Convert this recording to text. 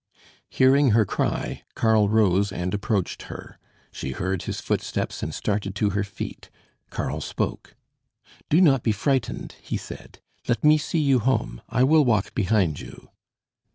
Hearing her cry, Karl rose and approached her. She heard his footsteps, and started to her feet. Karl spoke "Do not be frightened," he said. "Let me see you home. I will walk behind you."